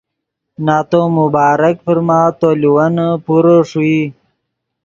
نتو مبارک فرما تو لیوینے پورے ݰوئی